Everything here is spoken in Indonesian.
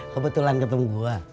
kebetulan ketemu gue